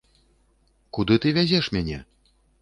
Куды ты вязеш мяне?!